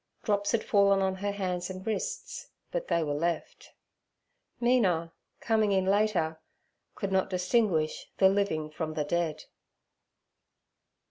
Drops had fallen on her hands and wrists, but they were left. Mina, coming in later, could not distinguish the living from the dead.